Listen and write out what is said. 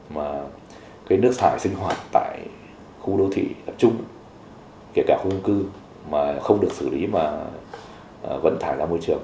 mà cái nước thải sinh hoạt tại khu đô thị tập trung kể cả khu cư mà không được xử lý mà vẫn thải ra môi trường